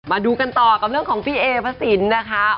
มาดูกันต่อกับเรื่องของพี่เอพระสินนะคะ